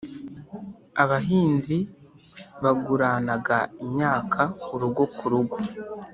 abahinzi baguranaga imyaka urugo ku rugo